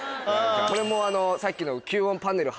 これもさっきの。